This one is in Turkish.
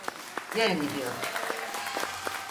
Yarın gidiyoruz.